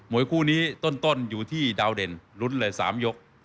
วยคู่นี้ต้นอยู่ที่ดาวเด่นลุ้นเลย๓ยก